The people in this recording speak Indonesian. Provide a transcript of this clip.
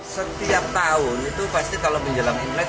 setiap tahun itu pasti kalau menjelang imlek